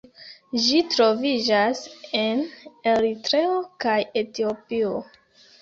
Ĝi troviĝas en Eritreo kaj Etiopio.